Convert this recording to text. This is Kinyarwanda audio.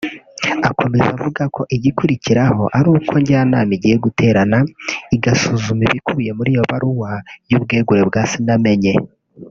Akomeza avuga ko igikurikiraho ari uko njyanama igiye guterana igasuzuma ibikubiye muri iyo baruwa y’ubwegure bwa Sinamenye